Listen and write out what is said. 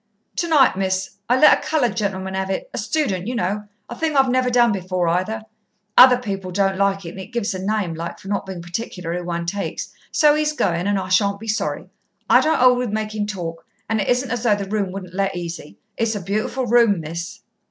"Tonight, Miss. I let a coloured gentleman 'ave it a student, you know; a thing I've never done before, either. Other people don't like it, and it gives a name, like, for not being particular who one takes. So he's going, and I shan't be sorry. I don't 'old with making talk, and it isn't as though the room wouldn't let easy. It's a beautiful room, Miss."